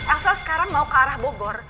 asal sekarang mau ke arah bogor